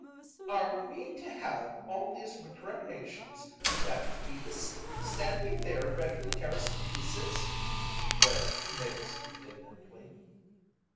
‚ÄĚ “Are we to have all these recriminations with that beast standing there ready to tear us to pieces?‚ÄĚ wailed Mavis indignantly.